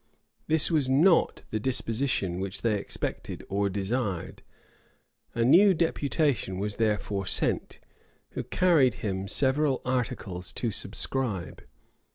This was not the disposition which they expected or desired.[*] A new deputation was therefore sent, who carried him several articles to subscribe.